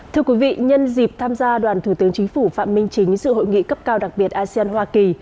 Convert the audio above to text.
thưa quý vị nhân dịp tham gia đoàn thủ tướng chính phủ phạm minh chính dự hội nghị cấp cao đặc biệt asean hoa kỳ